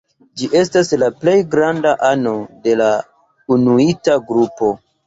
Ĝi estas la plej granda ano de la inuita grupo.